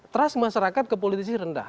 trust masyarakat ke politisi rendah